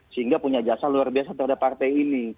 sehingga punya jasa luar biasa terhadap partai ini